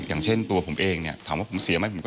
อย่างเช่นตัวผมเองเนี่ยถามว่าผมเสียไหม